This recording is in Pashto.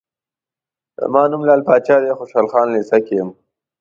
زما نوم لعل پاچا دی، خوشحال خان لېسه کې یم.